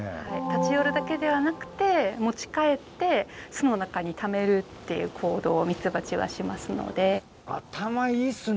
立ち寄るだけではなくて持ち帰って巣の中にためるっていう行動をミツバチはしますので。